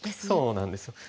そうなんです。